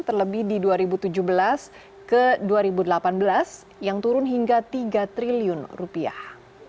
terlebih di dua ribu tujuh belas ke dua ribu delapan belas yang turun hingga tiga triliun rupiah